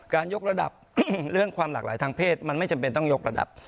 ยกระดับเรื่องความหลากหลายทางเพศมันไม่จำเป็นต้องยกระดับ